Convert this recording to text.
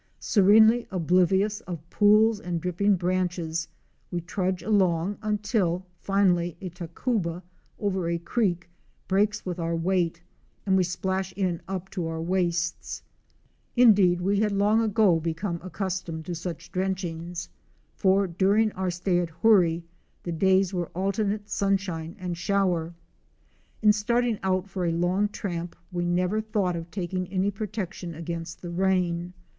Serenely oblivious of pools and dripping branches, we trudge along until finally a tacuba over a creek breaks with our weight and we splash in up to our waists. Indeed we had long ago become accustomed to such drenchings, for during our stay at Hoorie the days were alternate sunshine and shower. In starting out for a long tramp we never thought of taking any protection against the rain.